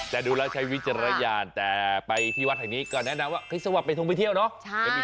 แต่ดูละใช้วิจารณญาณแต่ไปที่วัดเท่านี้ก็แนะนำว่าฮิสวะไปทุ่มไปเที่ยวเนาะใช่